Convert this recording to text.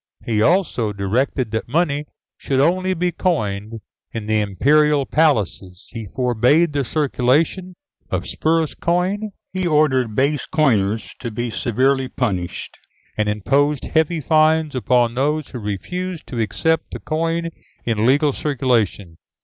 He also directed that money should only be coined in the Imperial palaces. He forbade the circulation of spurious coin; he ordered base coiners to be severely punished, and imposed heavy fines upon those who refused to accept the coin in legal circulation.